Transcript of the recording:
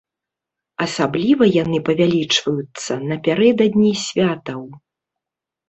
Асабліва яны павялічваюцца напярэдадні святаў.